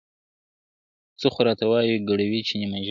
څه خو راته وايي ګړوي چي نیمه ژبه `